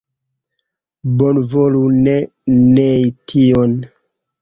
Bonvolu ne nei tion.